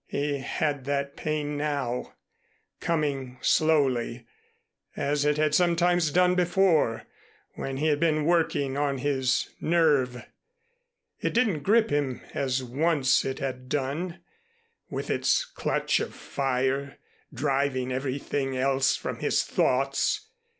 He had that pain now coming slowly, as it had sometimes done before when he had been working on his nerve. It didn't grip him as once it had done, with its clutch of fire, driving everything else from his thoughts.